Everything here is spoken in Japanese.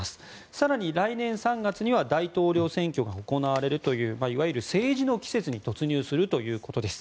更に、来年３月には大統領選挙が行われるといういわゆる政治の季節に突入するということです。